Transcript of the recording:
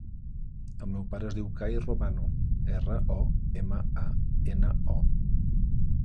El meu pare es diu Kai Romano: erra, o, ema, a, ena, o.